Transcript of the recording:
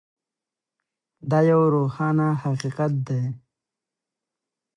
دا یو روښانه حقیقت دی.